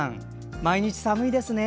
毎日、寒いですね。